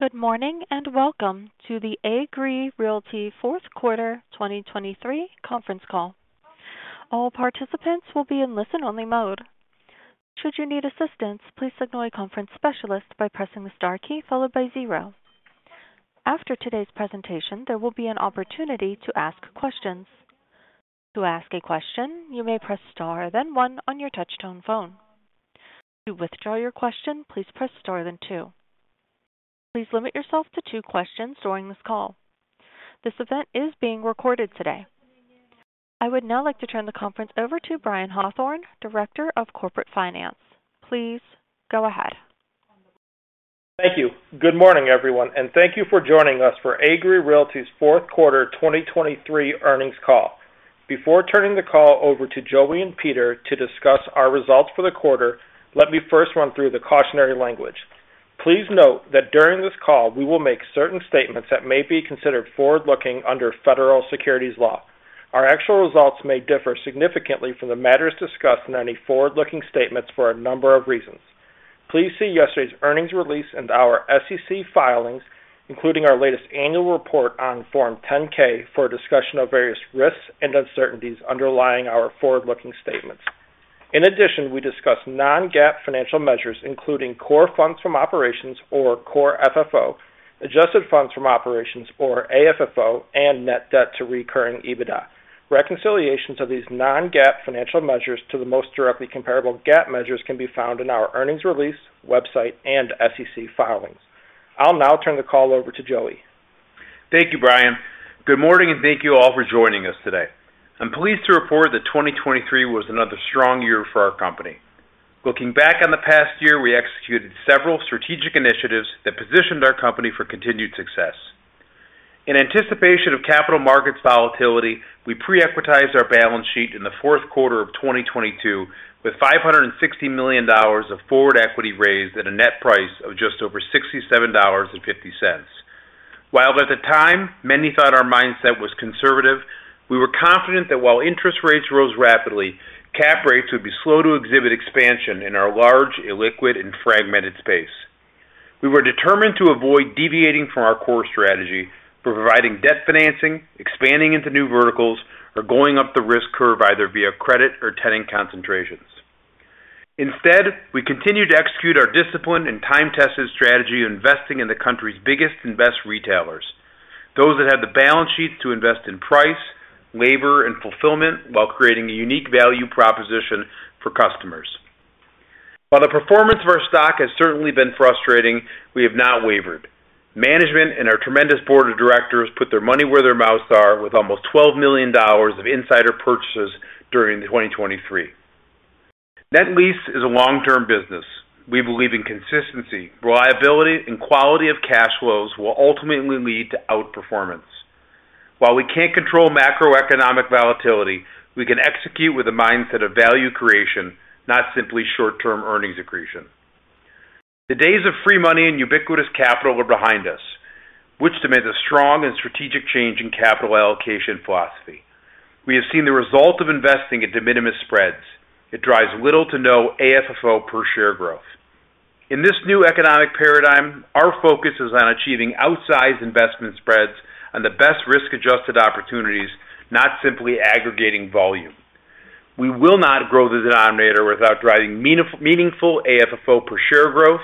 Good morning and welcome to the Agree Realty Q4 2023 conference call. All participants will be in listen-only mode. Should you need assistance, please ignore conference specialists by pressing the star key followed by 0. After today's presentation, there will be an opportunity to ask questions. To ask a question, you may press star then 1 on your touch-tone phone. To withdraw your question, please press star then 2. Please limit yourself to two questions during this call. This event is being recorded today. I would now like to turn the conference over to Brian Hawthorne, Director of Corporate Finance. Please go ahead. Thank you. Good morning, everyone, and thank you for joining us for Agree Realty's Q4 2023 earnings call. Before turning the call over to Joey and Peter to discuss our results for the quarter, let me first run through the cautionary language. Please note that during this call we will make certain statements that may be considered forward-looking under federal securities law. Our actual results may differ significantly from the matters discussed in any forward-looking statements for a number of reasons. Please see yesterday's earnings release and our SEC filings, including our latest annual report on Form 10-K for a discussion of various risks and uncertainties underlying our forward-looking statements. In addition, we discuss non-GAAP financial measures, including core funds from operations, or core FFO, adjusted funds from operations, or AFFO, and net debt to recurring EBITDA. Reconciliations of these non-GAAP financial measures to the most directly comparable GAAP measures can be found in our earnings release, website, and SEC filings. I'll now turn the call over to Joey. Thank you, Brian. Good morning and thank you all for joining us today. I'm pleased to report that 2023 was another strong year for our company. Looking back on the past year, we executed several strategic initiatives that positioned our company for continued success. In anticipation of capital markets volatility, we pre-equitized our balance sheet in the Q4 of 2022 with $560 million of forward equity raised at a net price of just over $67.50. While at the time many thought our mindset was conservative, we were confident that while interest rates rose rapidly, cap rates would be slow to exhibit expansion in our large, illiquid, and fragmented space. We were determined to avoid deviating from our core strategy for providing debt financing, expanding into new verticals, or going up the risk curve either via credit or tenant concentrations. Instead, we continued to execute our disciplined and time-tested strategy of investing in the country's biggest and best retailers, those that have the balance sheets to invest in price, labor, and fulfillment while creating a unique value proposition for customers. While the performance of our stock has certainly been frustrating, we have not wavered. Management and our tremendous board of directors put their money where their mouths are with almost $12 million of insider purchases during 2023. Net Lease is a long-term business. We believe in consistency, reliability, and quality of cash flows will ultimately lead to outperformance. While we can't control macroeconomic volatility, we can execute with a mindset of value creation, not simply short-term earnings accretion. The days of free money and ubiquitous capital are behind us, which demands a strong and strategic change in capital allocation philosophy. We have seen the result of investing in de minimis spreads. It drives little to no AFFO per share growth. In this new economic paradigm, our focus is on achieving outsized investment spreads on the best risk-adjusted opportunities, not simply aggregating volume. We will not grow the denominator without driving meaningful AFFO per share growth,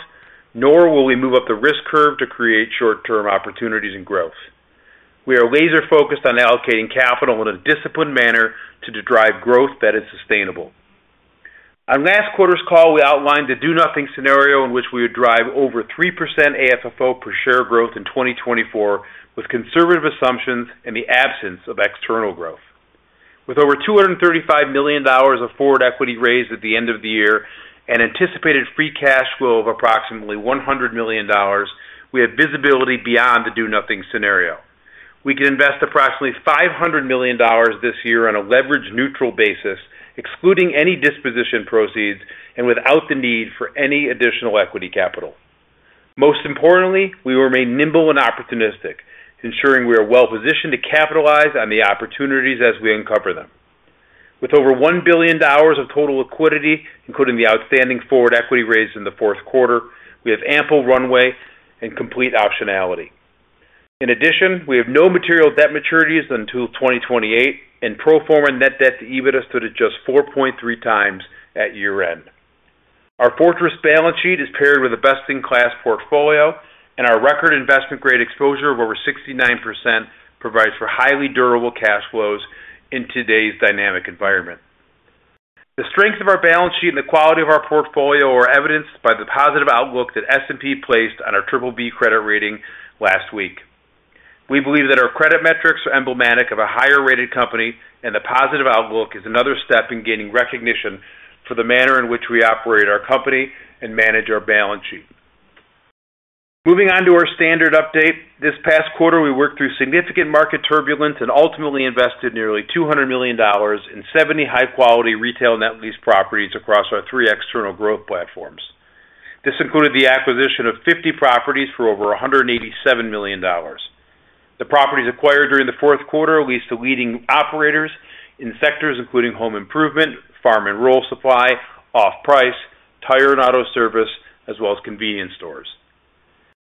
nor will we move up the risk curve to create short-term opportunities and growth. We are laser-focused on allocating capital in a disciplined manner to drive growth that is sustainable. On last quarter's call, we outlined the do-nothing scenario in which we would drive over 3% AFFO per share growth in 2024 with conservative assumptions in the absence of external growth. With over $235 million of forward equity raised at the end of the year and anticipated free cash flow of approximately $100 million, we have visibility beyond the do-nothing scenario. We can invest approximately $500 million this year on a leverage-neutral basis, excluding any disposition proceeds, and without the need for any additional equity capital. Most importantly, we remain nimble and opportunistic, ensuring we are well-positioned to capitalize on the opportunities as we uncover them. With over $1 billion of total liquidity, including the outstanding forward equity raised in the Q4, we have ample runway and complete optionality. In addition, we have no material debt maturities until 2028, and pro forma net debt to EBITDA stood at just 4.3 times at year-end. Our fortress balance sheet is paired with a best-in-class portfolio, and our record investment-grade exposure of over 69% provides for highly durable cash flows in today's dynamic environment. The strength of our balance sheet and the quality of our portfolio are evidenced by the positive outlook that S&P placed on our BBB credit rating last week. We believe that our credit metrics are emblematic of a higher-rated company, and the positive outlook is another step in gaining recognition for the manner in which we operate our company and manage our balance sheet. Moving on to our standard update, this past quarter we worked through significant market turbulence and ultimately invested nearly $200 million in 70 high-quality retail net lease properties across our three external growth platforms. This included the acquisition of 50 properties for over $187 million. The properties acquired during the Q4 leased to leading operators in sectors including home improvement, farm and rural supply, off-price, tire and auto service, as well as convenience stores.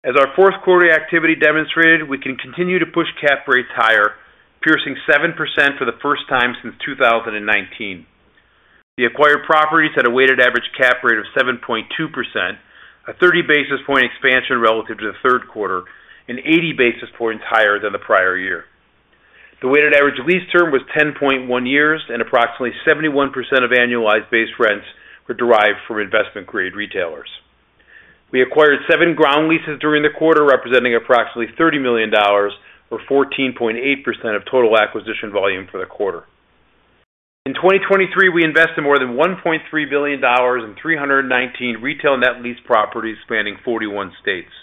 As our Q4 activity demonstrated, we can continue to push cap rates higher, piercing 7% for the first time since 2019. The acquired properties had a weighted average cap rate of 7.2%, a 30 basis point expansion relative to the Q3, and 80 basis points higher than the prior year. The weighted average lease term was 10.1 years, and approximately 71% of annualized base rents were derived from investment-grade retailers. We acquired 7 ground leases during the quarter, representing approximately $30 million, or 14.8% of total acquisition volume for the quarter. In 2023, we invested more than $1.3 billion in 319 retail net lease properties spanning 41 states.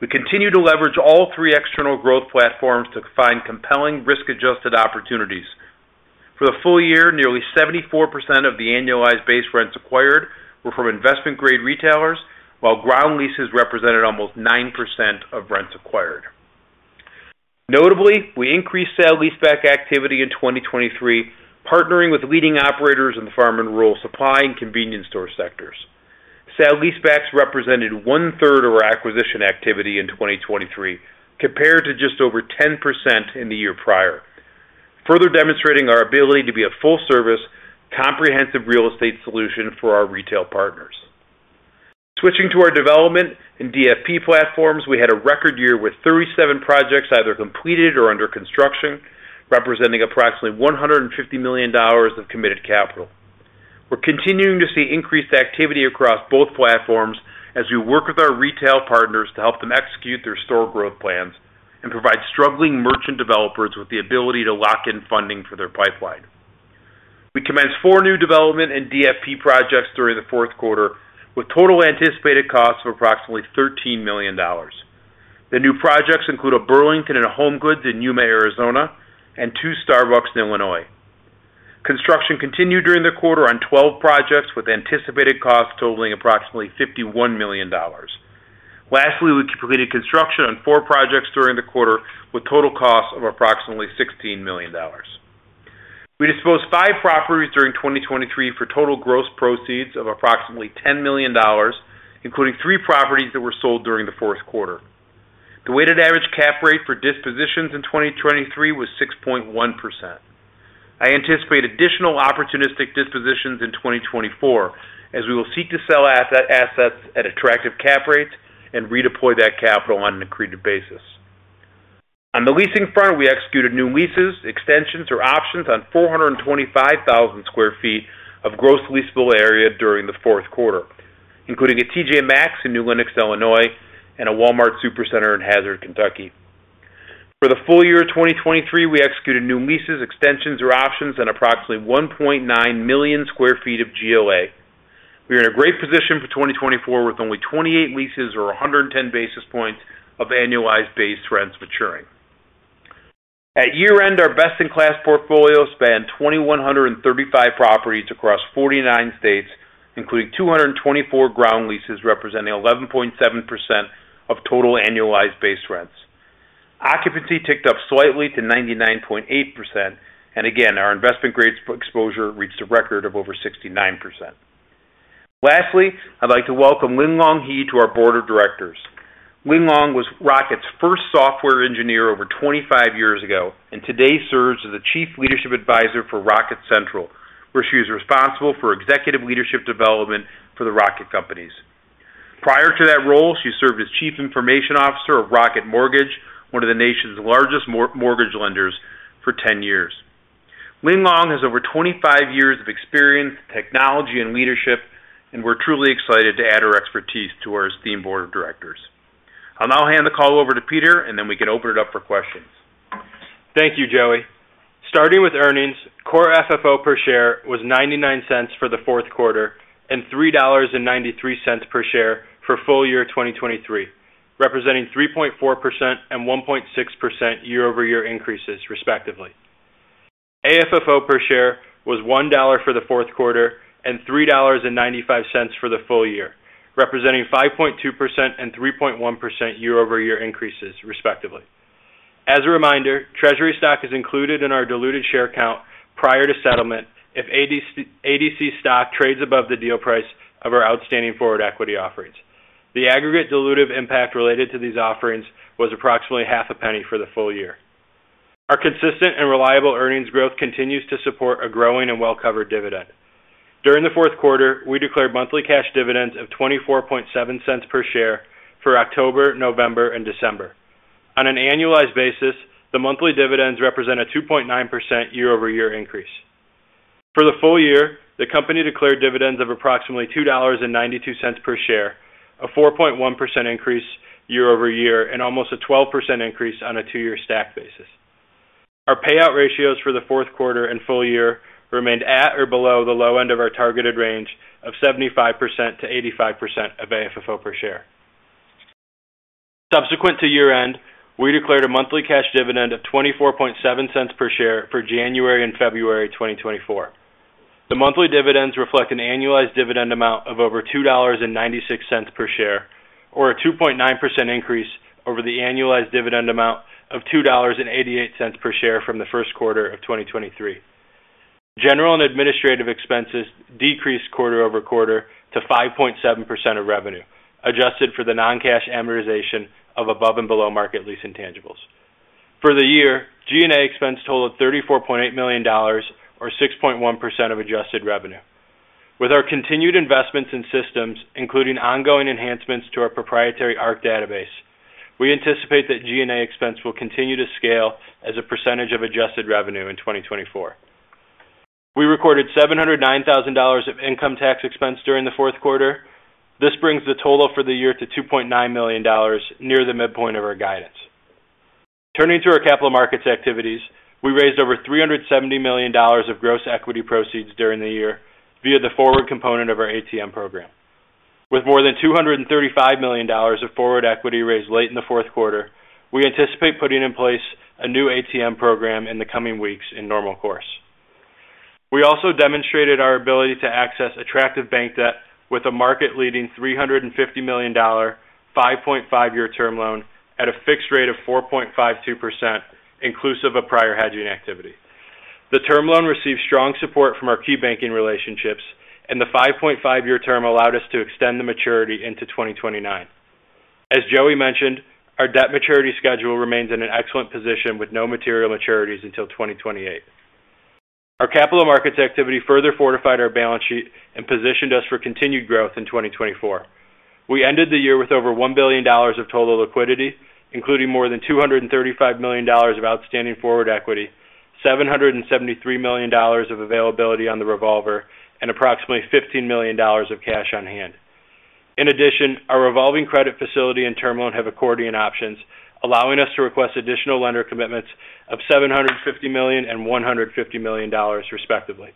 We continue to leverage all three external growth platforms to find compelling risk-adjusted opportunities. For the full year, nearly 74% of the annualized base rents acquired were from investment-grade retailers, while ground leases represented almost 9% of rents acquired. Notably, we increased sale-leaseback activity in 2023, partnering with leading operators in the farm and rural supply and convenience store sectors. Sale-leasebacks represented one-third of our acquisition activity in 2023, compared to just over 10% in the year prior, further demonstrating our ability to be a full-service, comprehensive real estate solution for our retail partners. Switching to our development and DFP platforms, we had a record year with 37 projects either completed or under construction, representing approximately $150 million of committed capital. We're continuing to see increased activity across both platforms as we work with our retail partners to help them execute their store growth plans and provide struggling merchant developers with the ability to lock in funding for their pipeline. We commenced 4 new development and DFP projects during the Q4, with total anticipated costs of approximately $13 million. The new projects include a Burlington and a HomeGoods in Yuma, Arizona, and 2 Starbucks in Illinois. Construction continued during the quarter on 12 projects, with anticipated costs totaling approximately $51 million. Lastly, we completed construction on four projects during the quarter, with total costs of approximately $16 million. We disposed five properties during 2023 for total gross proceeds of approximately $10 million, including three properties that were sold during the Q4. The weighted average cap rate for dispositions in 2023 was 6.1%. I anticipate additional opportunistic dispositions in 2024, as we will seek to sell assets at attractive cap rates and redeploy that capital on an accretive basis. On the leasing front, we executed new leases, extensions, or options on 425,000 sq ft of gross leasable area during the Q4, including a TJ Maxx in New Lenox, Illinois, and a Walmart Supercenter in Hazard, Kentucky. For the full year 2023, we executed new leases, extensions, or options on approximately 1.9 million sq ft of GLA. We are in a great position for 2024, with only 28 leases or 110 basis points of annualized base rents maturing. At year-end, our best-in-class portfolio spanned 2,135 properties across 49 states, including 224 ground leases, representing 11.7% of total annualized base rents. Occupancy ticked up slightly to 99.8%, and again, our investment-grade exposure reached a record of over 69%. Lastly, I'd like to welcome Linglong He to our board of directors. Linglong was Rocket's first software engineer over 25 years ago and today serves as the Chief Leadership Advisor for Rocket Central, where she was responsible for executive leadership development for the Rocket Companies. Prior to that role, she served as Chief Information Officer of Rocket Mortgage, one of the nation's largest mortgage lenders, for 10 years. Linglong He has over 25 years of experience, technology, and leadership, and we're truly excited to add her expertise to our esteemed board of directors. I'll now hand the call over to Peter, and then we can open it up for questions. Thank you, Joey. Starting with earnings, Core FFO per share was $0.99 for the Q4 and $3.93 per share for full year 2023, representing 3.4% and 1.6% year-over-year increases, respectively. AFFO per share was $1 for the Q4 and $3.95 for the full year, representing 5.2% and 3.1% year-over-year increases, respectively. As a reminder, Treasury stock is included in our diluted share count prior to settlement if ADC stock trades above the deal price of our outstanding forward equity offerings. The aggregate dilutive impact related to these offerings was approximately $0.005 for the full year. Our consistent and reliable earnings growth continues to support a growing and well-covered dividend. During the Q4, we declared monthly cash dividends of $0.24 per share for October, November, and December. On an annualized basis, the monthly dividends represent a 2.9% year-over-year increase. For the full year, the company declared dividends of approximately $2.92 per share, a 4.1% increase year-over-year, and almost a 12% increase on a two-year stack basis. Our payout ratios for the Q4 and full year remained at or below the low end of our targeted range of 75%-85% of AFFO per share. Subsequent to year-end, we declared a monthly cash dividend of $0.24 per share for January and February 2024. The monthly dividends reflect an annualized dividend amount of over $2.96 per share, or a 2.9% increase over the annualized dividend amount of $2.88 per share from the Q1 of 2023. General and administrative expenses decreased quarter-over-quarter to 5.7% of revenue, adjusted for the non-cash amortization of above-and-below market lease intangibles. For the year, G&A expense totaled $34.8 million, or 6.1% of adjusted revenue. With our continued investments in systems, including ongoing enhancements to our proprietary ARC database, we anticipate that G&A expense will continue to scale as a percentage of adjusted revenue in 2024. We recorded $709,000 of income tax expense during the Q4. This brings the total for the year to $2.9 million, near the midpoint of our guidance. Turning to our capital markets activities, we raised over $370 million of gross equity proceeds during the year via the forward component of our ATM program. With more than $235 million of forward equity raised late in the Q4, we anticipate putting in place a new ATM program in the coming weeks in normal course. We also demonstrated our ability to access attractive bank debt with a market-leading $350 million 5.5-year term loan at a fixed rate of 4.52%, inclusive of prior hedging activity. The term loan received strong support from our key banking relationships, and the 5.5-year term allowed us to extend the maturity into 2029. As Joey mentioned, our debt maturity schedule remains in an excellent position with no material maturities until 2028. Our capital markets activity further fortified our balance sheet and positioned us for continued growth in 2024. We ended the year with over $1 billion of total liquidity, including more than $235 million of outstanding forward equity, $773 million of availability on the revolver, and approximately $15 million of cash on hand. In addition, our revolving credit facility and term loan have accordion options, allowing us to request additional lender commitments of $750 million and $150 million, respectively.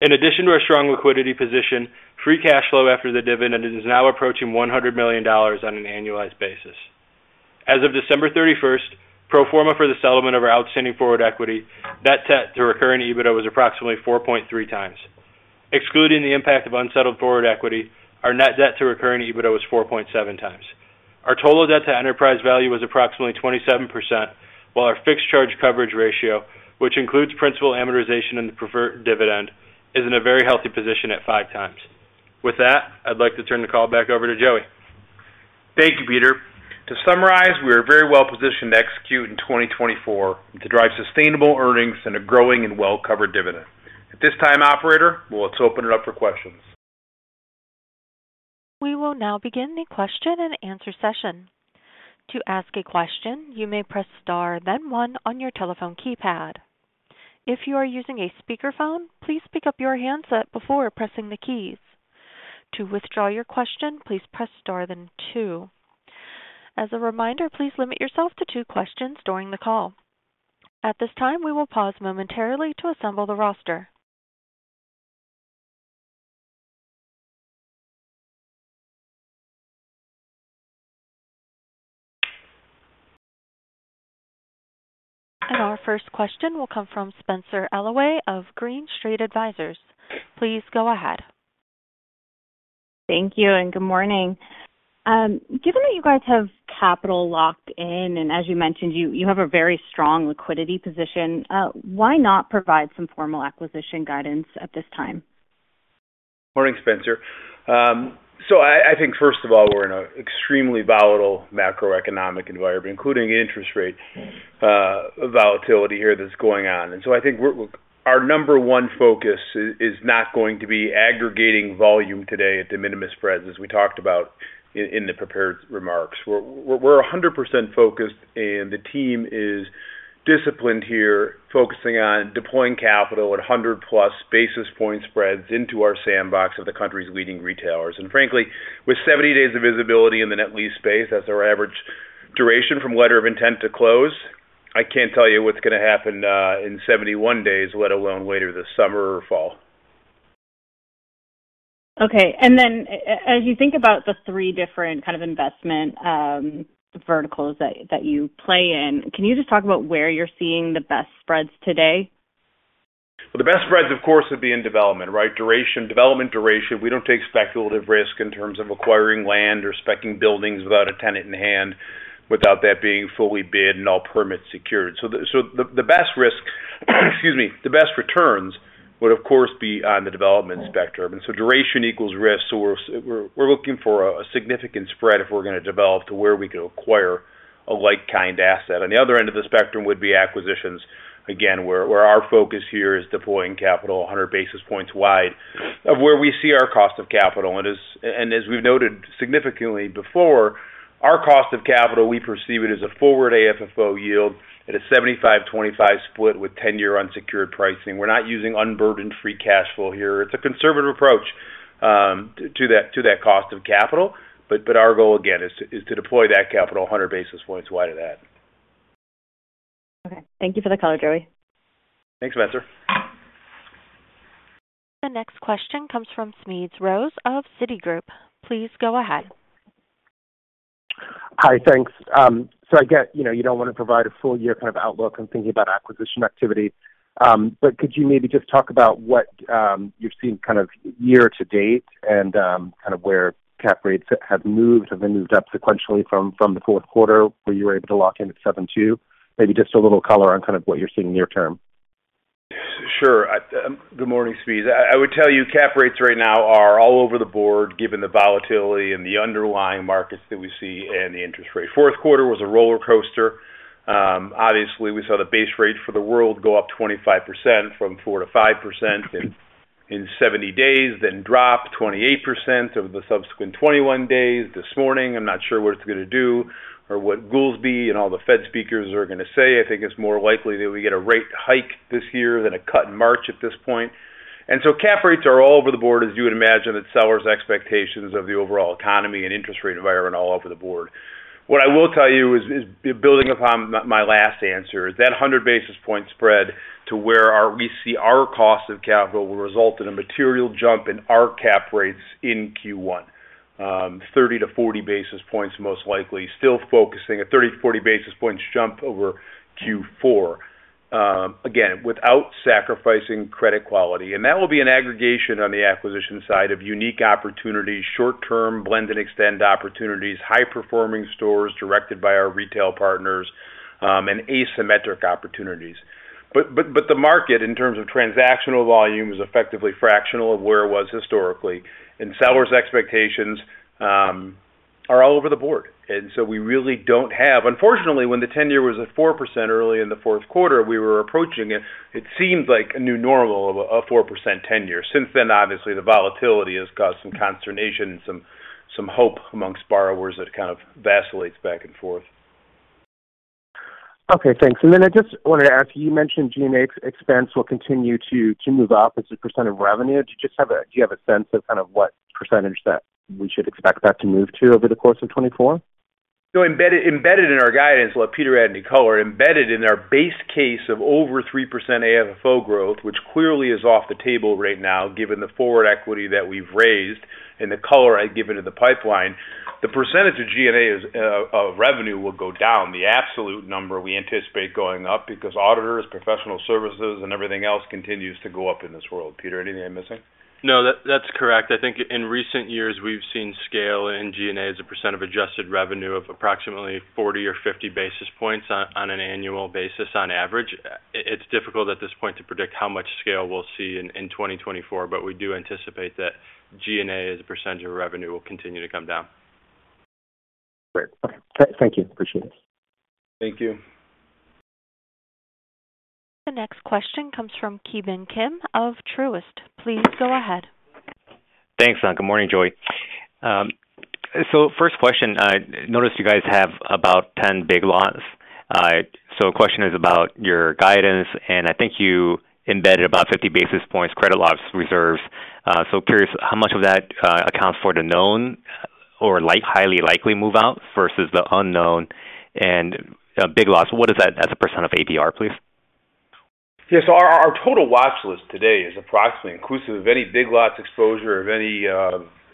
In addition to our strong liquidity position, free cash flow after the dividend is now approaching $100 million on an annualized basis. As of December 31st, pro forma for the settlement of our outstanding forward equity, net debt to recurring EBITDA was approximately 4.3x. Excluding the impact of unsettled forward equity, our net debt to recurring EBITDA was 4.7x. Our total debt to enterprise value was approximately 27%, while our fixed charge coverage ratio, which includes principal amortization and the preferred dividend, is in a very healthy position at 5x. With that, I'd like to turn the call back over to Joey. Thank you, Peter. To summarize, we are very well positioned to execute in 2024 to drive sustainable earnings and a growing and well-covered dividend. At this time, operator, let's open it up for questions. We will now begin the question and answer session. To ask a question, you may press star, then one on your telephone keypad. If you are using a speakerphone, please pick up your handset before pressing the keys. To withdraw your question, please press star, then two. As a reminder, please limit yourself to two questions during the call. At this time, we will pause momentarily to assemble the roster. Our first question will come from Spenser Allaway of Green Street Advisors. Please go ahead. Thank you, and good morning. Given that you guys have capital locked in, and as you mentioned, you have a very strong liquidity position, why not provide some formal acquisition guidance at this time? Morning, Spencer. I think, first of all, we're in an extremely volatile macroeconomic environment, including interest rate volatility here that's going on. I think our number one focus is not going to be aggregating volume today at de minimis spreads, as we talked about in the prepared remarks. We're 100% focused, and the team is disciplined here, focusing on deploying capital at 100+ basis point spreads into our sandbox of the country's leading retailers. And frankly, with 70 days of visibility in the net lease space, that's our average duration from letter of intent to close. I can't tell you what's going to happen in 71 days, let alone later this summer or fall. Okay. And then as you think about the three different kind of investment verticals that you play in, can you just talk about where you're seeing the best spreads today? Well, the best spreads, of course, would be in development, right? Development duration. We don't take speculative risk in terms of acquiring land or speccing buildings without a tenant in hand, without that being fully bid and all permits secured. So the best risk, excuse me, the best returns would, of course, be on the development spectrum. And so duration equals risk. So we're looking for a significant spread if we're going to develop to where we could acquire a like-kind asset. On the other end of the spectrum would be acquisitions, again, where our focus here is deploying capital 100 basis points wide of where we see our cost of capital. And as we've noted significantly before, our cost of capital, we perceive it as a forward AFFO yield at a 75/25 split with 10-year unsecured pricing. We're not using unburdened free cash flow here. It's a conservative approach to that cost of capital, but our goal, again, is to deploy that capital 100 basis points wide of that. Okay. Thank you for the call, Joey. Thanks, Spencer. The next question comes from Smedes Rose of Citigroup. Please go ahead. Hi, thanks. So I get you don't want to provide a full-year kind of outlook and thinking about acquisition activity, but could you maybe just talk about what you're seeing kind of year-to-date and kind of where Cap Rates have moved? Have they moved up sequentially from the Q4, where you were able to lock in at 72? Maybe just a little color on kind of what you're seeing near term. Sure. Good morning, Smedes. I would tell you cap rates right now are all over the board, given the volatility and the underlying markets that we see and the interest rate. Q4 was a roller coaster. Obviously, we saw the base rate for the world go up 25% from 4%-5% in 70 days, then drop 28% over the subsequent 21 days. This morning, I'm not sure what it's going to do or what Goolsbee and all the Fed speakers are going to say. I think it's more likely that we get a rate hike this year than a cut in March at this point. And so cap rates are all over the board, as you would imagine, that sellers' expectations of the overall economy and interest rate environment all over the board. What I will tell you is, building upon my last answer, is that 100 basis point spread to where we see our cost of capital will result in a material jump in our cap rates in Q1, 30-40 basis points most likely, still focusing a 30-40 basis points jump over Q4, again, without sacrificing credit quality. And that will be an aggregation on the acquisition side of unique opportunities, short-term blend-and-extend opportunities, high-performing stores directed by our retail partners, and asymmetric opportunities. But the market, in terms of transactional volume, is effectively fractional of where it was historically, and sellers' expectations are all over the board. And so we really don't have unfortunately, when the 10-year was at 4% early in the Q4, we were approaching it, it seemed like a new normal of a 4% 10-year. Since then, obviously, the volatility has caused some consternation and some hope among borrowers that kind of vacillates back and forth. Okay, thanks. And then I just wanted to ask you, you mentioned G&A expense will continue to move up as a percent of revenue. Do you have a sense of kind of what percentage that we should expect that to move to over the course of 2024? So embedded in our guidance, what Peter added in color, embedded in our base case of over 3% AFFO growth, which clearly is off the table right now given the forward equity that we've raised and the color I've given to the pipeline, the percentage of G&A revenue will go down, the absolute number we anticipate going up because auditors, professional services, and everything else continues to go up in this world. Peter, anything I'm missing? No, that's correct. I think in recent years, we've seen scale in G&A as a percent of adjusted revenue of approximately 40 or 50 basis points on an annual basis on average. It's difficult at this point to predict how much scale we'll see in 2024, but we do anticipate that G&A as a percentage of revenue will continue to come down. Great. Okay. Thank you. Appreciate it. Thank you. The next question comes from Ki Bin Kim of Truist. Please go ahead. Thanks, Son. Good morning, Joey. So first question, noticed you guys have about 10 Big Lots. So the question is about your guidance, and I think you embedded about 50 basis points credit loss reserves. So curious how much of that accounts for the known or highly likely moveouts versus the unknown and Big Lots. What is that as a % of ABR, please? Yeah. So our total watchlist today is approximately inclusive of any Big Lots exposure, of any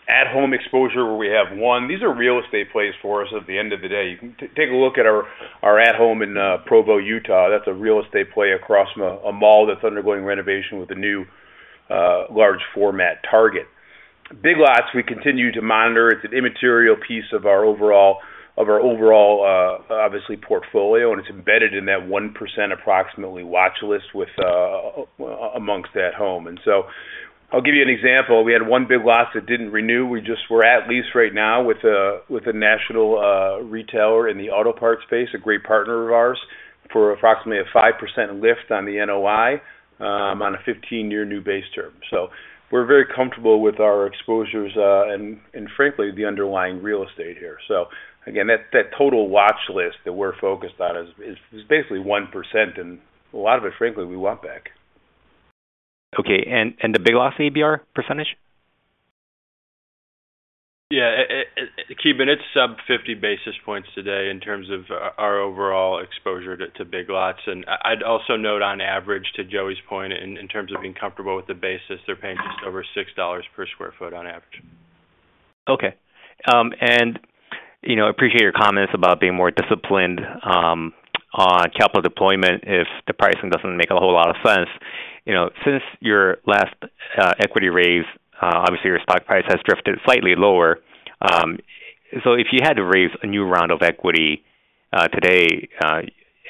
At Home exposure where we have one. These are real estate plays for us at the end of the day. Take a look at our At Home in Provo, Utah. That's a real estate play across a mall that's undergoing renovation with a new large-format Target. Big Lots, we continue to monitor. It's an immaterial piece of our overall, obviously, portfolio, and it's embedded in that 1% approximately watchlist amongst At Home. And so I'll give you an example. We had one Big Lots that didn't renew. We're releasing right now with a national retailer in the auto parts space, a great partner of ours, for approximately a 5% lift on the NOI on a 15-year new base term. So we're very comfortable with our exposures and, frankly, the underlying real estate here. So again, that total watchlist that we're focused on is basically 1%, and a lot of it, frankly, we want back. Okay. And the big box ABR percentage? Yeah. Ki Bin, it's sub-50 basis points today in terms of our overall exposure to Big Lots. And I'd also note, on average, to Joey's point, in terms of being comfortable with the basis, they're paying just over $6 per sq ft on average. Okay. I appreciate your comments about being more disciplined on capital deployment if the pricing doesn't make a whole lot of sense. Since your last equity raise, obviously, your stock price has drifted slightly lower. So if you had to raise a new round of equity today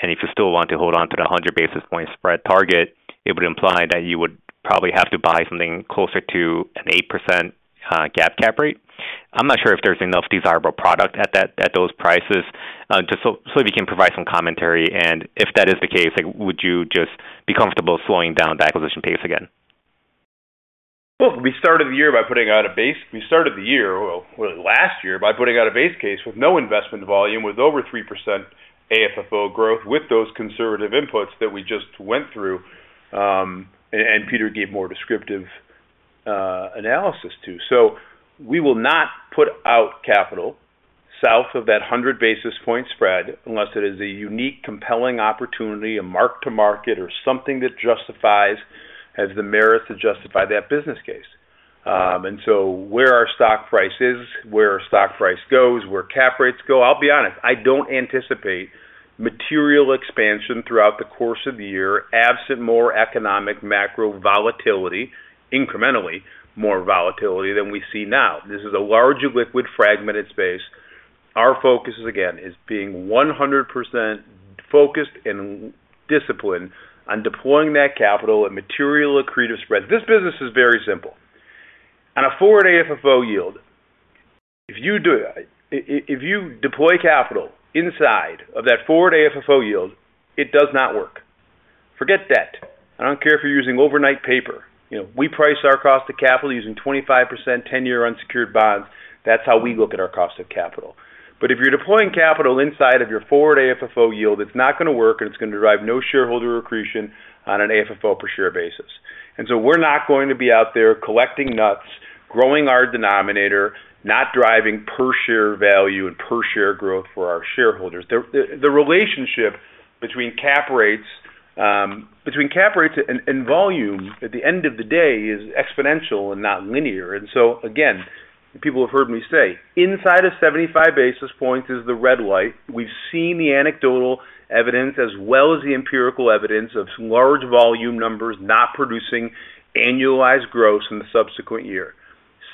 and if you still want to hold onto the 100 basis point spread target, it would imply that you would probably have to buy something closer to an 8% cap rate. I'm not sure if there's enough desirable product at those prices. So if you can provide some commentary, and if that is the case, would you just be comfortable slowing down the acquisition pace again? Well, we started the year, well, really last year, by putting out a base case with no investment volume, with over 3% AFFO growth, with those conservative inputs that we just went through, and Peter gave more descriptive analysis too. So we will not put out capital south of that 100 basis point spread unless it is a unique, compelling opportunity, a mark-to-market, or something that justifies has the merits to justify that business case. And so where our stock price is, where our stock price goes, where cap rates go, I'll be honest. I don't anticipate material expansion throughout the course of the year absent more economic macro volatility, incrementally more volatility, than we see now. This is a largely liquid fragmented space. Our focus, again, is being 100% focused and disciplined on deploying that capital at material accretive spreads. This business is very simple. On a forward AFFO yield, if you deploy capital inside of that forward AFFO yield, it does not work. Forget debt. I don't care if you're using overnight paper. We price our cost of capital using 25% 10-year unsecured bonds. That's how we look at our cost of capital. But if you're deploying capital inside of your forward AFFO yield, it's not going to work, and it's going to drive no shareholder accretion on an AFFO per share basis. And so we're not going to be out there collecting nuts, growing our denominator, not driving per share value and per share growth for our shareholders. The relationship between cap rates and volume, at the end of the day, is exponential and not linear. So again, people have heard me say, "Inside of 75 basis points is the red light." We've seen the anecdotal evidence as well as the empirical evidence of some large volume numbers not producing annualized growth in the subsequent year.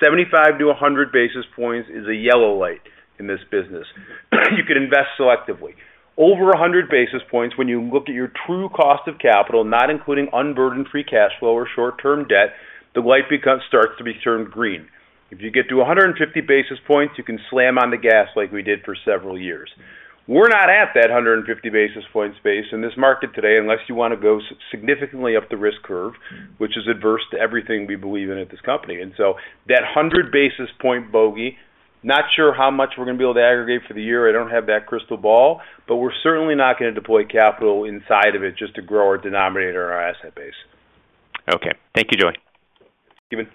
75-100 basis points is a yellow light in this business. You can invest selectively. Over 100 basis points, when you look at your true cost of capital, not including unburdened free cash flow or short-term debt, the light starts to be turned green. If you get to 150 basis points, you can slam on the gas like we did for several years. We're not at that 150 basis point space in this market today unless you want to go significantly up the risk curve, which is adverse to everything we believe in at this company. And so that 100 basis point bogey, not sure how much we're going to be able to aggregate for the year. I don't have that crystal ball, but we're certainly not going to deploy capital inside of it just to grow our denominator and our asset base. Okay. Thank you, Joey. Ki Bin.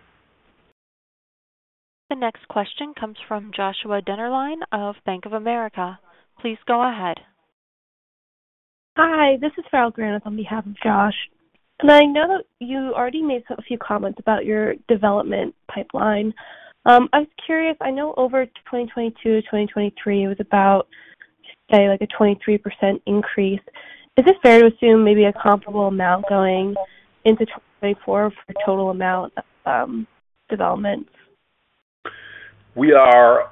The next question comes from Joshua Dennerlein of Bank of America. Please go ahead. Hi. This is Farrell Granath on behalf of Josh. I know that you already made a few comments about your development pipeline. I was curious. I know over 2022 to 2023, it was about, say, a 23% increase. Is it fair to assume maybe a comparable amount going into 2024 for total amount of developments? We are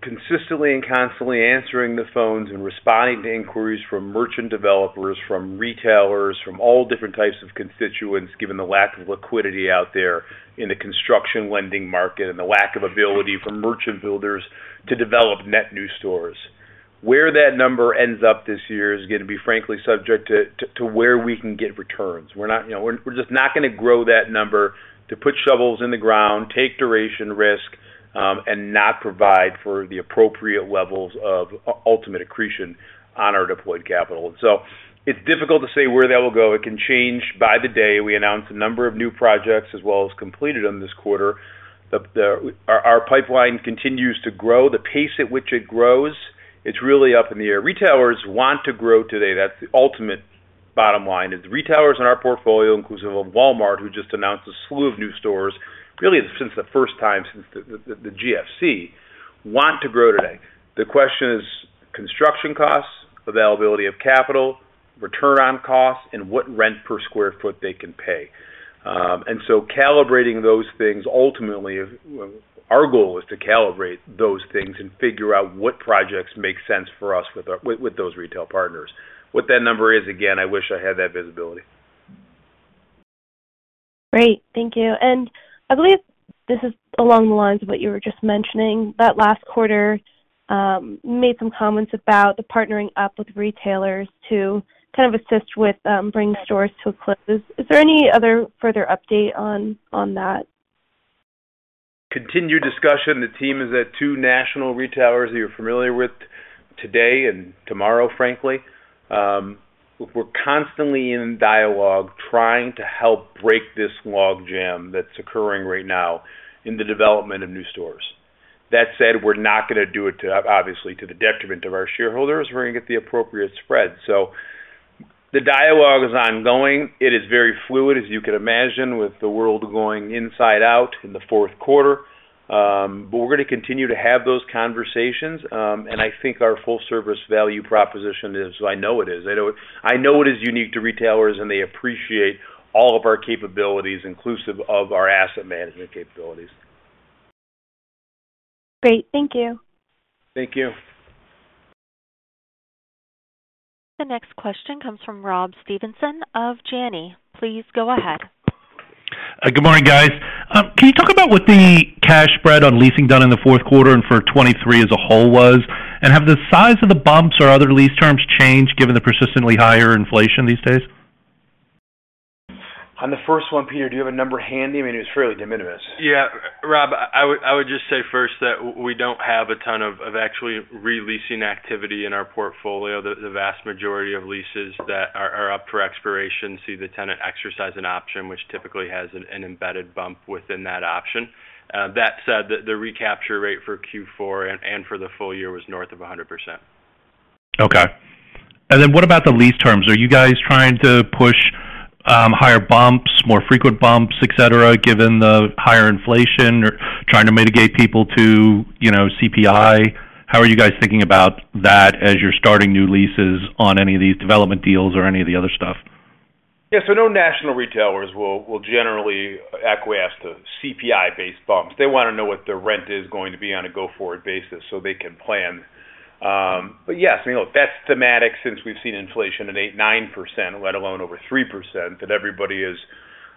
consistently and constantly answering the phones and responding to inquiries from merchant developers, from retailers, from all different types of constituents given the lack of liquidity out there in the construction lending market and the lack of ability for merchant builders to develop net new stores. Where that number ends up this year is going to be, frankly, subject to where we can get returns. We're just not going to grow that number to put shovels in the ground, take duration risk, and not provide for the appropriate levels of ultimate accretion on our deployed capital. And so it's difficult to say where that will go. It can change by the day we announce a number of new projects as well as completed them this quarter. Our pipeline continues to grow. The pace at which it grows, it's really up in the air. Retailers want to grow today. That's the ultimate bottom line. Retailers in our portfolio, inclusive of Walmart, who just announced a slew of new stores, really since the first time, since the GFC, want to grow today. The question is construction costs, availability of capital, return on costs, and what rent per square foot they can pay. So calibrating those things ultimately, our goal is to calibrate those things and figure out what projects make sense for us with those retail partners. What that number is, again, I wish I had that visibility. Great. Thank you. And I believe this is along the lines of what you were just mentioning. That last quarter made some comments about the partnering up with retailers to kind of assist with bringing stores to a close. Is there any other further update on that? Continued discussion. The team is at two national retailers that you're familiar with today and tomorrow, frankly. We're constantly in dialogue trying to help break this log jam that's occurring right now in the development of new stores. That said, we're not going to do it, obviously, to the detriment of our shareholders. We're going to get the appropriate spread. So the dialogue is ongoing. It is very fluid, as you can imagine, with the world going inside out in the Q4. But we're going to continue to have those conversations. And I think our full-service value proposition is so I know it is. I know it is unique to retailers, and they appreciate all of our capabilities, inclusive of our asset management capabilities. Great. Thank you. Thank you. The next question comes from Rob Stevenson of Janney. Please go ahead. Good morning, guys. Can you talk about what the cash spread on leasing done in the Q4 and for 2023 as a whole was? And have the size of the bumps or other lease terms changed given the persistently higher inflation these days? On the first one, Peter, do you have a number handy? I mean, it was fairly diminutive. Yeah. Rob, I would just say first that we don't have a ton of actually releasing activity in our portfolio. The vast majority of leases that are up for expiration see the tenant exercise an option, which typically has an embedded bump within that option. That said, the recapture rate for Q4 and for the full year was north of 100%. Okay. And then what about the lease terms? Are you guys trying to push higher bumps, more frequent bumps, etc., given the higher inflation, or trying to migrate people to CPI? How are you guys thinking about that as you're starting new leases on any of these development deals or any of the other stuff? Yeah. So no national retailers will generally acquiesce to CPI-based bumps. They want to know what their rent is going to be on a go-forward basis so they can plan. But yes, that's thematic since we've seen inflation at 8%, 9%, let alone over 3%, that everybody is,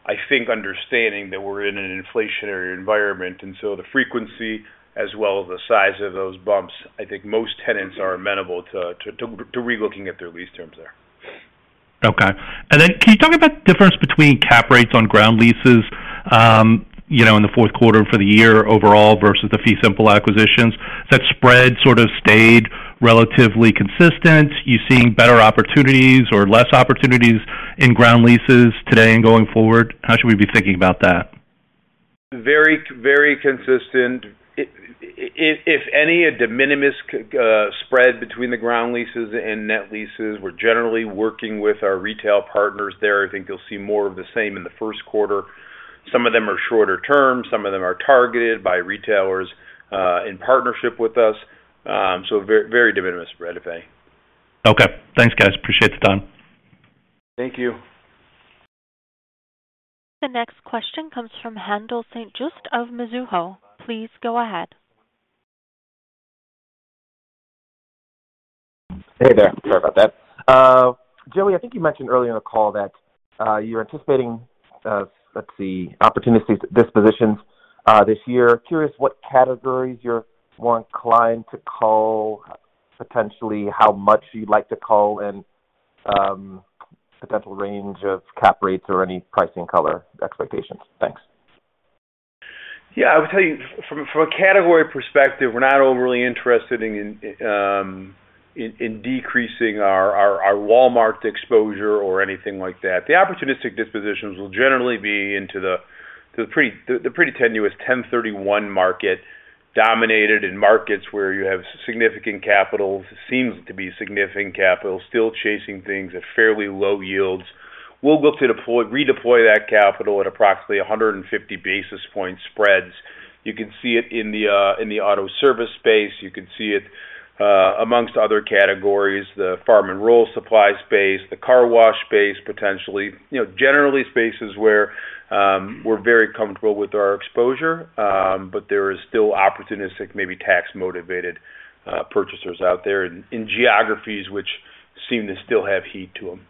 I think, understanding that we're in an inflationary environment. And so the frequency as well as the size of those bumps, I think most tenants are amenable to relooking at their lease terms there. Okay. And then can you talk about the difference between cap rates on ground leases in the Q4 for the year overall versus the fee simple acquisitions? Has that spread sort of stayed relatively consistent? Are you seeing better opportunities or less opportunities in ground leases today and going forward? How should we be thinking about that? Very, very consistent. If any, a diminutive spread between the ground leases and net leases. We're generally working with our retail partners there. I think you'll see more of the same in the Q1. Some of them are shorter term. Some of them are targeted by retailers in partnership with us. So very diminutive spread, if any. Okay. Thanks, guys. Appreciate the time. Thank you. The next question comes from Handel St. Juste of Mizuho. Please go ahead. Hey there. Sorry about that. Joey, I think you mentioned earlier in the call that you're anticipating, let's see, opportunity dispositions this year. Curious what categories you're more inclined to call, potentially how much you'd like to call, and potential range of cap rates or any pricing color expectations. Thanks. Yeah. I would tell you, from a category perspective, we're not overly interested in decreasing our Walmart exposure or anything like that. The opportunistic dispositions will generally be into the pretty tenuous, 1031 market, dominated in markets where you have significant capital, seems to be significant capital, still chasing things at fairly low yields. We'll look to redeploy that capital at approximately 150 basis point spreads. You can see it in the auto service space. You can see it amongst other categories, the farm and rural supply space, the car wash space, potentially. Generally, spaces where we're very comfortable with our exposure, but there are still opportunistic, maybe tax-motivated purchasers out there in geographies which seem to still have heat to them.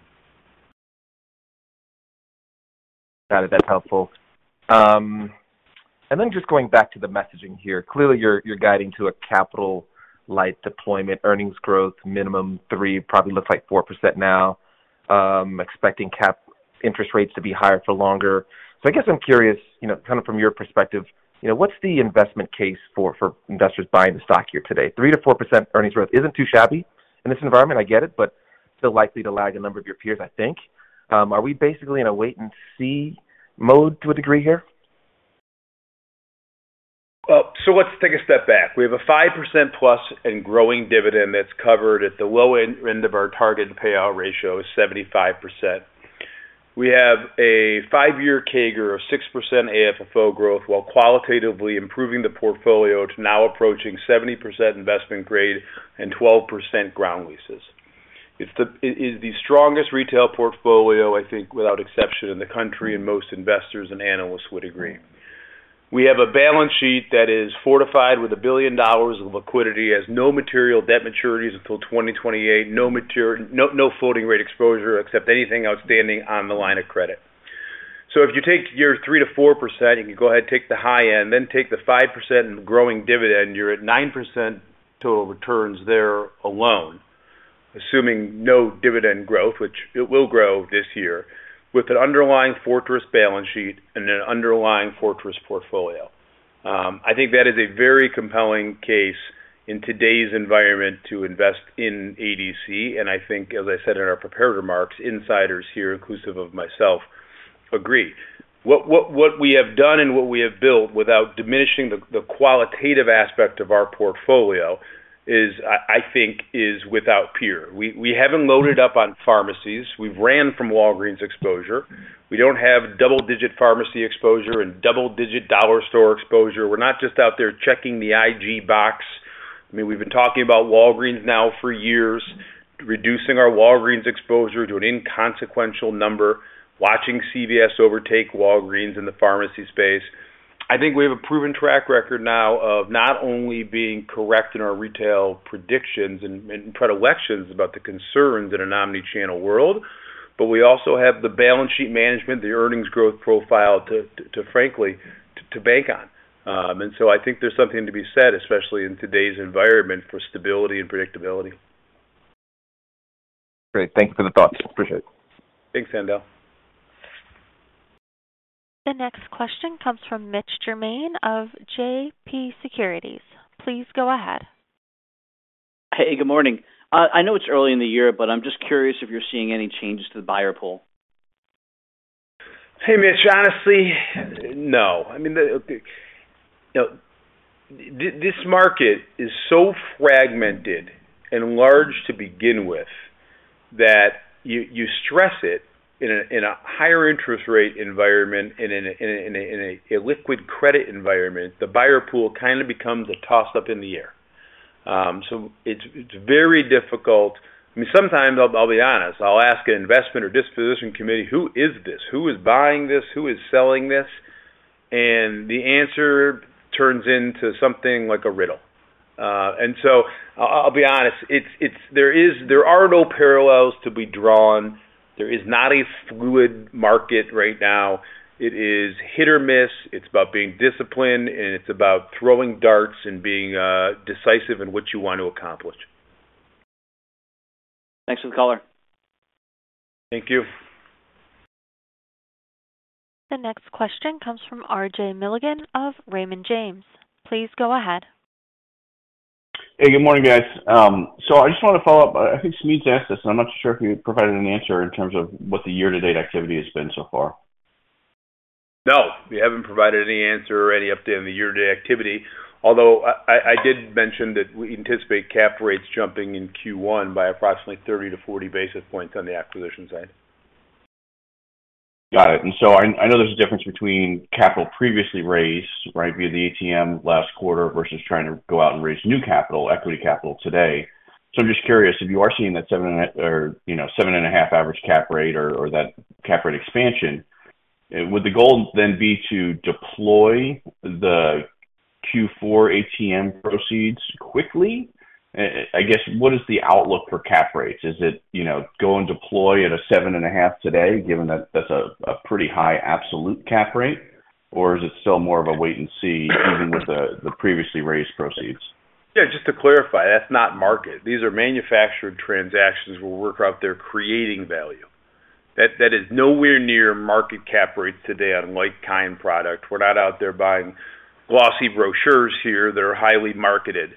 Got it. That's helpful. Then just going back to the messaging here, clearly, you're guiding to a capital light deployment, earnings growth, minimum 3, probably looks like 4% now, expecting interest rates to be higher for longer. So I guess I'm curious, kind of from your perspective, what's the investment case for investors buying the stock here today? 3%-4% earnings growth isn't too shabby in this environment. I get it, but still likely to lag a number of your peers, I think. Are we basically in a wait-and-see mode to a degree here? So let's take a step back. We have a 5%+ and growing dividend that's covered at the low end of our target payout ratio of 75%. We have a 5-year CAGR of 6% AFFO growth while qualitatively improving the portfolio to now approaching 70% investment grade and 12% ground leases. It is the strongest retail portfolio, I think, without exception in the country, and most investors and analysts would agree. We have a balance sheet that is fortified with $1 billion of liquidity, has no material debt maturities until 2028, no floating rate exposure except anything outstanding on the line of credit. So if you take your 3%-4%, you can go ahead and take the high end, then take the 5% and growing dividend, you're at 9% total returns there alone, assuming no dividend growth, which it will grow this year, with an underlying fortress balance sheet and an underlying fortress portfolio. I think that is a very compelling case in today's environment to invest in ADC. And I think, as I said in our preparatory remarks, insiders here, inclusive of myself, agree. What we have done and what we have built without diminishing the qualitative aspect of our portfolio, I think, is without peer. We haven't loaded up on pharmacies. We've ran from Walgreens exposure. We don't have double-digit pharmacy exposure and double-digit dollar store exposure. We're not just out there checking the IG box. I mean, we've been talking about Walgreens now for years, reducing our Walgreens exposure to an inconsequential number, watching CVS overtake Walgreens in the pharmacy space. I think we have a proven track record now of not only being correct in our retail predictions and predilections about the concerns in an omnichannel world, but we also have the balance sheet management, the earnings growth profile, frankly, to bank on. I think there's something to be said, especially in today's environment, for stability and predictability. Great. Thank you for the thoughts. Appreciate it. Thanks, Handel. The next question comes from Mitch Germain of JP Securities. Please go ahead. Hey. Good morning. I know it's early in the year, but I'm just curious if you're seeing any changes to the buyer pool. Hey, Mitch. Honestly, no. I mean, this market is so fragmented and large to begin with that you stress it in a higher interest rate environment and in a liquid credit environment, the buyer pool kind of becomes a toss-up in the air. So it's very difficult. I mean, sometimes, I'll be honest. I'll ask an investment or disposition committee, "Who is this? Who is buying this? Who is selling this?" The answer turns into something like a riddle. So I'll be honest. There are no parallels to be drawn. There is not a fluid market right now. It is hit or miss. It's about being disciplined, and it's about throwing darts and being decisive in what you want to accomplish. Thanks for the caller. Thank you. The next question comes from RJ Milligan of Raymond James. Please go ahead. Hey. Good morning, guys. So I just want to follow up. I think Smedes's asked this, and I'm not too sure if you provided an answer in terms of what the year-to-date activity has been so far. No. We haven't provided any answer or any update on the year-to-date activity, although I did mention that we anticipate cap rates jumping in Q1 by approximately 30-40 basis points on the acquisition side. Got it. And so I know there's a difference between capital previously raised, right, via the ATM last quarter versus trying to go out and raise new equity capital today. So I'm just curious, if you are seeing that 7.5 average cap rate or that cap rate expansion, would the goal then be to deploy the Q4 ATM proceeds quickly? I guess, what is the outlook for cap rates? Is it go and deploy at a 7.5 today, given that that's a pretty high absolute cap rate, or is it still more of a wait-and-see even with the previously raised proceeds? Yeah. Just to clarify, that's not market. These are manufactured transactions where we're out there creating value. That is nowhere near market cap rates today, unlike Kind Product. We're not out there buying glossy brochures here that are highly marketed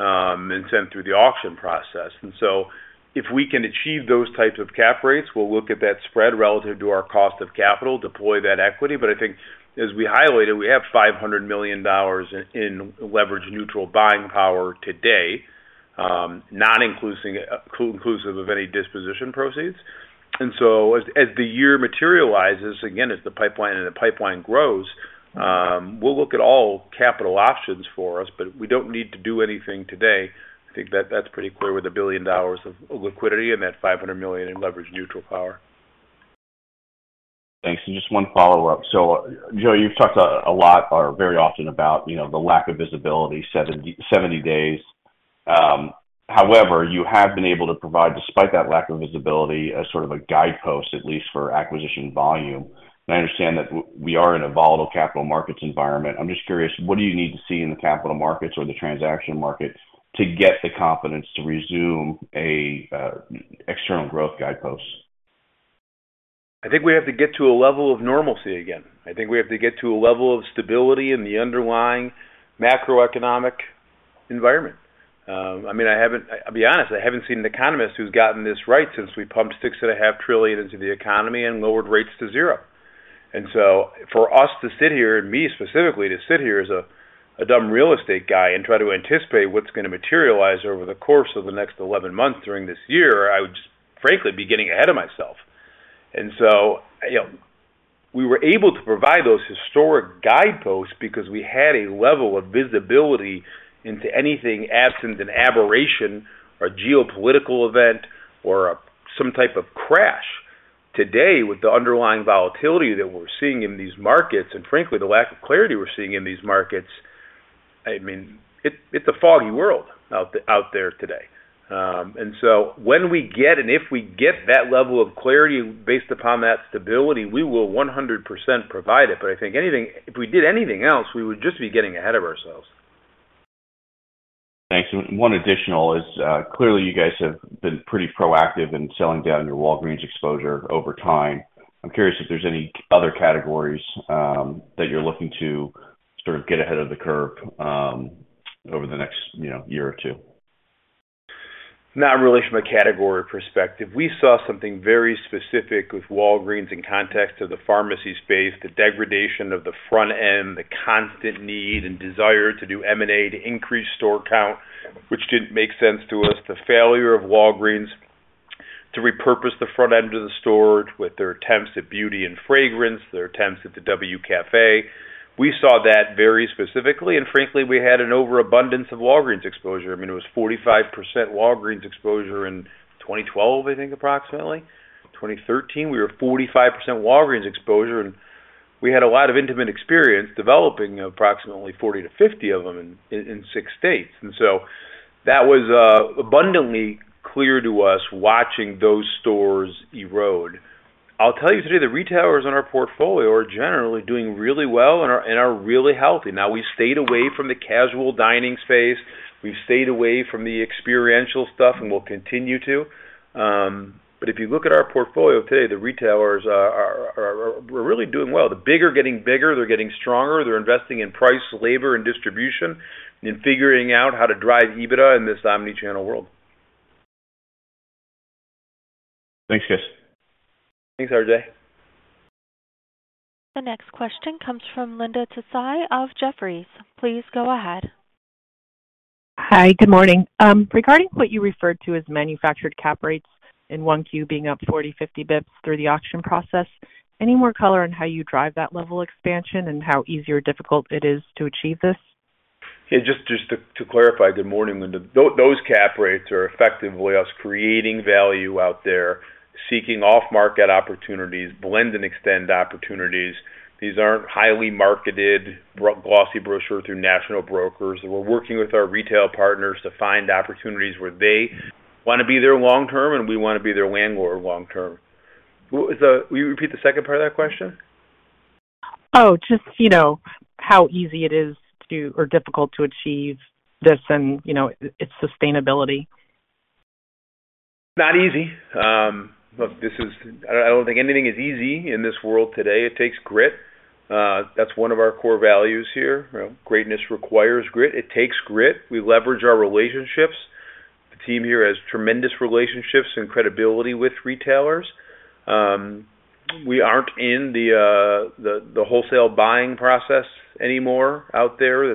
and sent through the auction process. And so if we can achieve those types of cap rates, we'll look at that spread relative to our cost of capital, deploy that equity. But I think, as we highlighted, we have $500 million in leverage-neutral buying power today, not inclusive of any disposition proceeds. And so as the year materializes, again, as the pipeline and the pipeline grows, we'll look at all capital options for us, but we don't need to do anything today. I think that's pretty clear with $1 billion of liquidity and that $500 million in leverage-neutral power. Thanks. Just one follow-up. So Joey, you've talked a lot or very often about the lack of visibility, 70 days. However, you have been able to provide, despite that lack of visibility, sort of a guidepost, at least for acquisition volume. I understand that we are in a volatile capital markets environment. I'm just curious, what do you need to see in the capital markets or the transaction market to get the confidence to resume an external growth guidepost? I think we have to get to a level of normalcy again. I think we have to get to a level of stability in the underlying macroeconomic environment. I mean, to be honest, I haven't seen an economist who's gotten this right since we pumped $6.5 trillion into the economy and lowered rates to zero. And so for us to sit here and me specifically to sit here as a dumb real estate guy and try to anticipate what's going to materialize over the course of the next 11 months during this year, I would just, frankly, be getting ahead of myself. And so we were able to provide those historic guideposts because we had a level of visibility into anything absent an aberration, a geopolitical event, or some type of crash. Today, with the underlying volatility that we're seeing in these markets and, frankly, the lack of clarity we're seeing in these markets, I mean, it's a foggy world out there today. And so when we get and if we get that level of clarity based upon that stability, we will 100% provide it. But I think if we did anything else, we would just be getting ahead of ourselves. Thanks. And one additional is, clearly, you guys have been pretty proactive in selling down your Walgreens exposure over time. I'm curious if there's any other categories that you're looking to sort of get ahead of the curve over the next year or two. Not really from a category perspective. We saw something very specific with Walgreens in context of the pharmacy space, the degradation of the front end, the constant need and desire to do M&A, to increase store count, which didn't make sense to us, the failure of Walgreens to repurpose the front end of the store with their attempts at Beauty & Fragrance, their attempts at the W Café. We saw that very specifically. And frankly, we had an overabundance of Walgreens exposure. I mean, it was 45% Walgreens exposure in 2012, I think, approximately. 2013, we were 45% Walgreens exposure. And we had a lot of intimate experience developing approximately 40-50 of them in six states. And so that was abundantly clear to us, watching those stores erode. I'll tell you today, the retailers on our portfolio are generally doing really well and are really healthy. Now, we've stayed away from the casual dining space. We've stayed away from the experiential stuff, and we'll continue to. But if you look at our portfolio today, the retailers are really doing well. The bigger getting bigger. They're getting stronger. They're investing in price, labor, and distribution, and figuring out how to drive EBITDA in this omnichannel world. Thanks, guys. Thanks, RJ. The next question comes from Linda Tsai of Jefferies. Please go ahead. Hi. Good morning. Regarding what you referred to as manufactured cap rates and 1Q being up 40, 50 bps through the auction process, any more color on how you drive that level expansion and how easy or difficult it is to achieve this? Yeah. Just to clarify, good morning, Linda. Those cap rates are effectively us creating value out there, seeking off-market opportunities, blend-and-extend opportunities. These aren't highly marketed, glossy brochures through national brokers. We're working with our retail partners to find opportunities where they want to be there long-term, and we want to be their landlord long-term. Will you repeat the second part of that question? Oh, just how easy it is or difficult to achieve this and its sustainability. Not easy. I don't think anything is easy in this world today. It takes grit. That's one of our core values here. Greatness requires grit. It takes grit. We leverage our relationships. The team here has tremendous relationships and credibility with retailers. We aren't in the wholesale buying process anymore out there,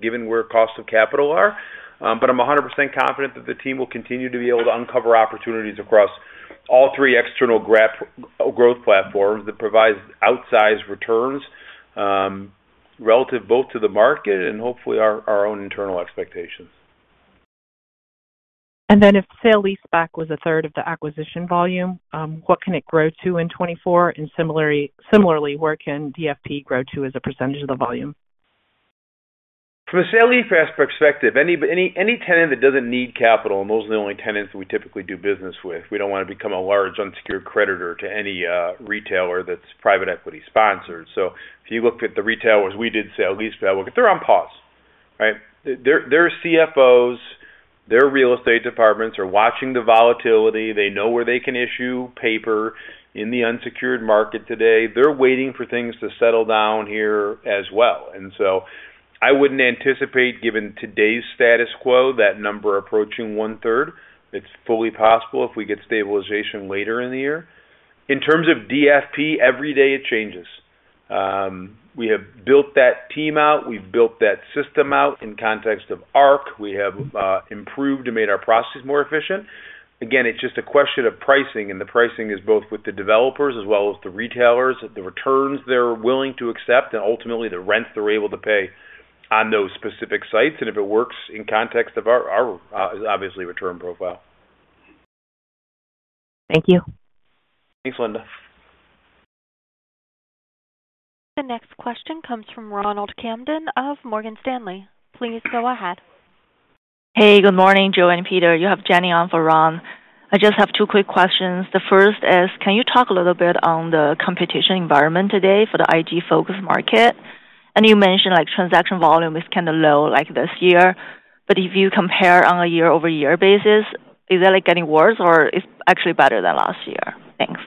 given where cost of capital are. But I'm 100% confident that the team will continue to be able to uncover opportunities across all three external growth platforms that provide outsized returns relative both to the market and, hopefully, our own internal expectations. And then if sale-leaseback was a third of the acquisition volume, what can it grow to in 2024? And similarly, where can DFP grow to as a percentage of the volume? From a sale-leaseback perspective, any tenant that doesn't need capital - and those are the only tenants that we typically do business with - we don't want to become a large, unsecured creditor to any retailer that's private equity sponsored. So if you look at the retailers, we did sale-leaseback. They're on pause, right? Their CFOs, their real estate departments are watching the volatility. They know where they can issue paper in the unsecured market today. They're waiting for things to settle down here as well. And so I wouldn't anticipate, given today's status quo, that number approaching one-third. It's fully possible if we get stabilization later in the year. In terms of DFP, every day, it changes. We have built that team out. We've built that system out in context of ARC. We have improved and made our processes more efficient. Again, it's just a question of pricing. The pricing is both with the developers as well as the retailers, the returns they're willing to accept, and ultimately, the rents they're able to pay on those specific sites. If it works in context of our, obviously, return profile. Thank you. Thanks, Linda. The next question comes from Ronald Kamdem of Morgan Stanley. Please go ahead. Hey. Good morning, Joey and Peter. You have Jenny on for Ron. I just have two quick questions. The first is, can you talk a little bit on the competition environment today for the IG-focused market? And you mentioned transaction volume is kind of low this year. But if you compare on a year-over-year basis, is that getting worse, or it's actually better than last year? Thanks.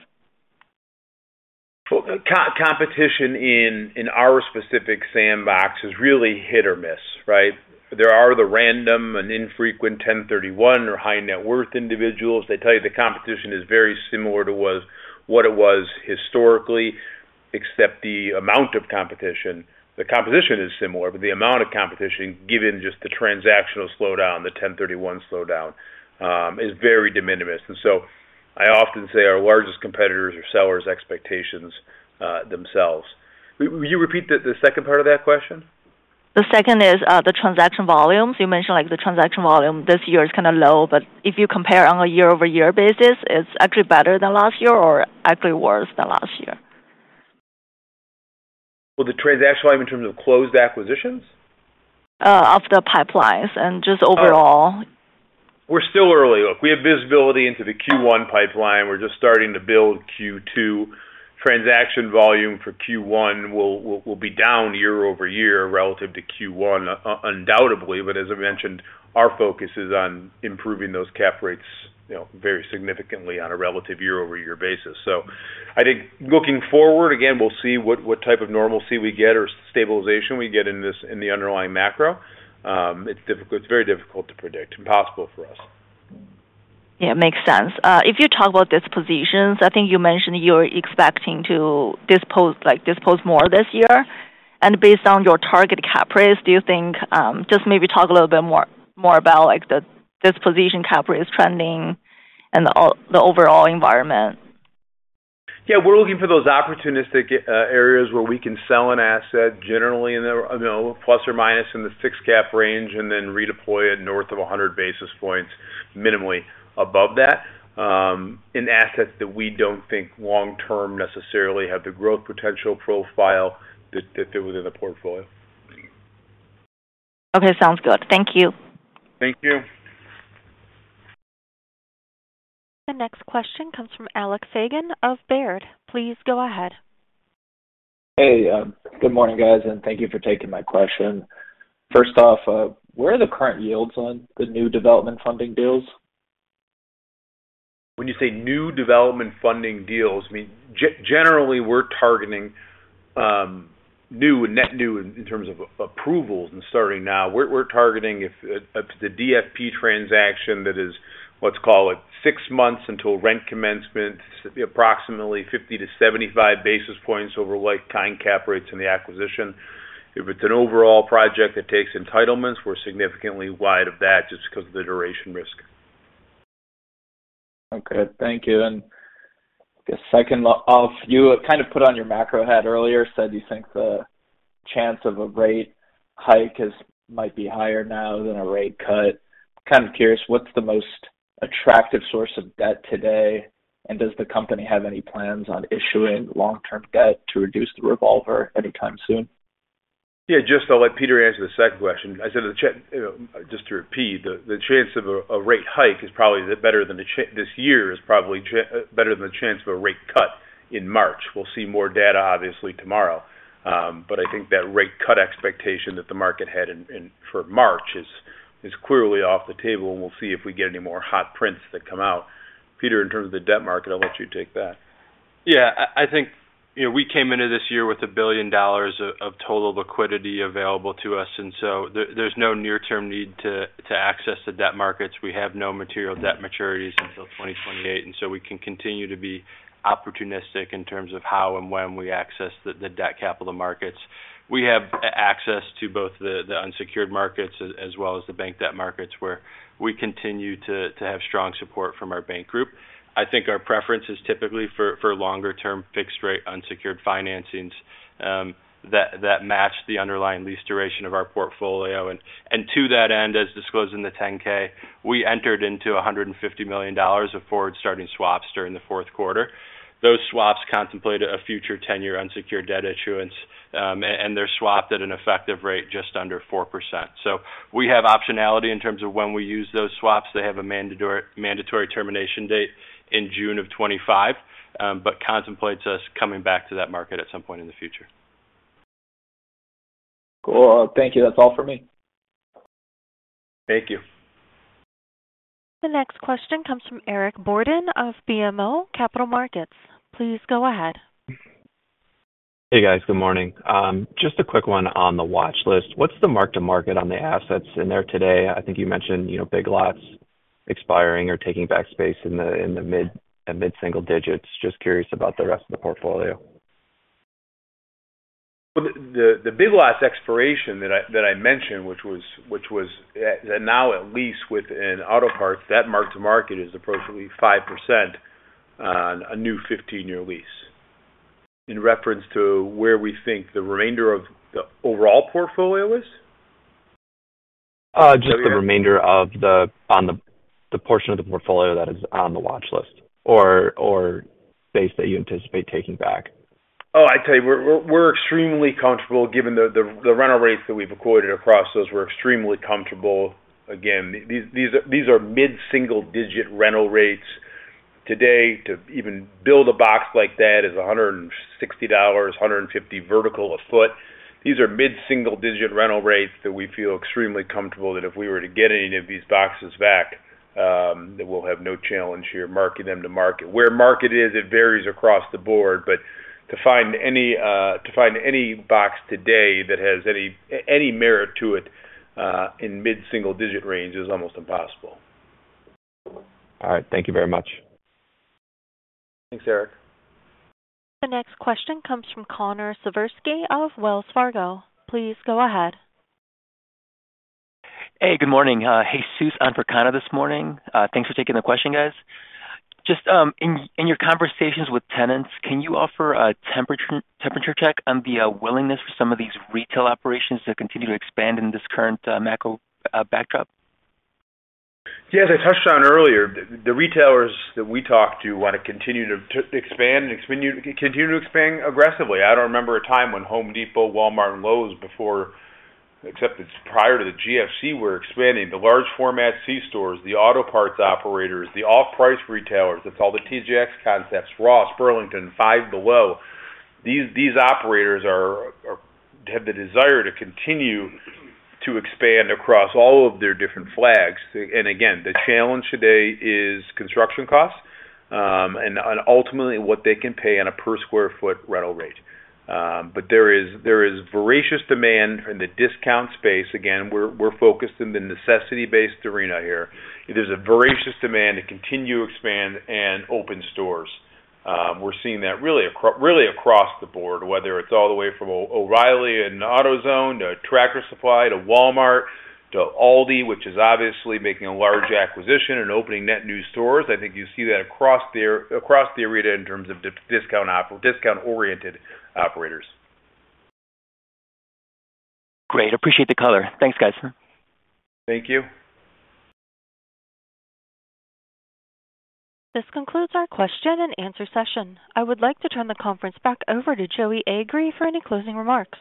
Competition in our specific sandbox is really hit or miss, right? There are the random and infrequent 1031 or high-net-worth individuals. They tell you the competition is very similar to what it was historically, except the amount of competition. The competition is similar, but the amount of competition, given just the transactional slowdown, the 1031 slowdown, is very de minimis. And so I often say our largest competitors are sellers' expectations themselves. Will you repeat the second part of that question? The second is the transaction volumes. You mentioned the transaction volume. This year is kind of low. If you compare on a year-over-year basis, it's actually better than last year or actually worse than last year? Well, the transaction volume in terms of closed acquisitions? Of the pipelines and just overall. We're still early. Look, we have visibility into the Q1 pipeline. We're just starting to build Q2. Transaction volume for Q1 will be down year-over-year relative to Q1, undoubtedly. But as I mentioned, our focus is on improving those cap rates very significantly on a relative year-over-year basis. So I think looking forward, again, we'll see what type of normalcy we get or stabilization we get in the underlying macro. It's very difficult to predict, impossible for us. Yeah. Makes sense. If you talk about dispositions, I think you mentioned you're expecting to dispose more this year. And based on your target cap rates, do you think just maybe talk a little bit more about the disposition cap rates trending and the overall environment? Yeah. We're looking for those opportunistic areas where we can sell an asset generally ± in the 6-cap range and then redeploy it north of 100 basis points, minimally above that, in assets that we don't think long-term necessarily have the growth potential profile that fit within the portfolio. Okay. Sounds good. Thank you. Thank you. The next question comes from Alex Fagan of Baird. Please go ahead. Hey. Good morning, guys. Thank you for taking my question. First off, where are the current yields on the new development funding deals? When you say new development funding deals, I mean, generally, we're targeting net new in terms of approvals and starting now. We're targeting the DFP transaction that is, let's call it, 6 months until rent commencement, approximately 50-75 basis points over Kind cap rates and the acquisition. If it's an overall project that takes entitlements, we're significantly wide of that just because of the duration risk. Okay. Thank you. And the second off, you kind of put on your macro head earlier, said you think the chance of a rate hike might be higher now than a rate cut. Kind of curious, what's the most attractive source of debt today? And does the company have any plans on issuing long-term debt to reduce the revolver anytime soon? Yeah. Just I'll let Peter answer the second question. I said in the chat, just to repeat, the chance of a rate hike is probably better than this year is probably better than the chance of a rate cut in March. We'll see more data, obviously, tomorrow. But I think that rate cut expectation that the market had for March is clearly off the table. And we'll see if we get any more hot prints that come out. Peter, in terms of the debt market, I'll let you take that. Yeah. I think we came into this year with $1 billion of total liquidity available to us. And so there's no near-term need to access the debt markets. We have no material debt maturities until 2028. And so we can continue to be opportunistic in terms of how and when we access the debt capital markets. We have access to both the unsecured markets as well as the bank debt markets where we continue to have strong support from our bank group. I think our preference is typically for longer-term fixed-rate unsecured financings that match the underlying lease duration of our portfolio. And to that end, as disclosed in the 10-K, we entered into $150 million of forward-starting swaps during the Q4. Those swaps contemplate a future 10-year unsecured debt issuance. And they're swapped at an effective rate just under 4%. So we have optionality in terms of when we use those swaps. They have a mandatory termination date in June of 2025 but contemplates us coming back to that market at some point in the future. Cool. Thank you. That's all for me. Thank you. The next question comes from Eric Borden of BMO Capital Markets. Please go ahead. Hey, guys. Good morning. Just a quick one on the watchlist. What's the mark-to-market on the assets in there today? I think you mentioned Big Lots expiring or taking back space in the mid-single digits. Just curious about the rest of the portfolio. Well, the Big Lots expiration that I mentioned, which is now at least within auto parts, that mark-to-market is approximately 5% on a new 15-year lease in reference to where we think the remainder of the overall portfolio is? Just the remainder on the portion of the portfolio that is on the watchlist or base that you anticipate taking back. Oh, I tell you, we're extremely comfortable given the rental rates that we've acquired across those. We're extremely comfortable. Again, these are mid-single-digit rental rates. Today, to even build a box like that is $150-$160 vertical a foot. These are mid-single-digit rental rates that we feel extremely comfortable that if we were to get any of these boxes back, that we'll have no challenge here marking them to market. Where market is, it varies across the board. But to find any box today that has any merit to it in mid-single-digit range is almost impossible. All right. Thank you very much. Thanks, Eric. The next question comes from Connor Sawerski of Wells Fargo. Please go ahead. Hey. Good morning. Hey, Soos Anfricana this morning. Thanks for taking the question, guys. Just in your conversations with tenants, can you offer a temperature check on the willingness for some of these retail operations to continue to expand in this current macro backdrop? Yeah. As I touched on earlier, the retailers that we talk to want to continue to expand and continue to expand aggressively. I don't remember a time when Home Depot, Walmart, and Lowe's before except it's prior to the GFC were expanding. The large-format C stores, the auto parts operators, the off-price retailers - that's all the TJX concepts, Ross, Burlington, Five Below - these operators have the desire to continue to expand across all of their different flags. And again, the challenge today is construction costs and, ultimately, what they can pay on a per-square-foot rental rate. But there is voracious demand in the discount space. Again, we're focused in the necessity-based arena here. There's a voracious demand to continue to expand and open stores. We're seeing that really across the board, whether it's all the way from O'Reilly and AutoZone to Tractor Supply to Walmart to Aldi, which is obviously making a large acquisition and opening net new stores. I think you see that across the arena in terms of discount-oriented operators. Great. Appreciate the color. Thanks, guys. Thank you. This concludes our question-and-answer session. I would like to turn the conference back over to Joey Agree for any closing remarks.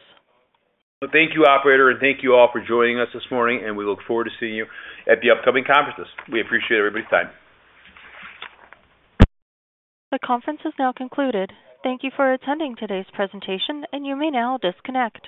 Well, thank you, operator. Thank you all for joining us this morning. We look forward to seeing you at the upcoming conferences. We appreciate everybody's time. The conference has now concluded. Thank you for attending today's presentation. You may now disconnect.